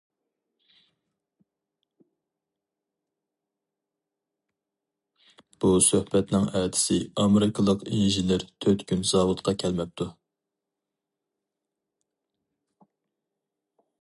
بۇ سۆھبەتنىڭ ئەتىسى ئامېرىكىلىق ئىنژېنېر تۆت كۈن زاۋۇتقا كەلمەپتۇ.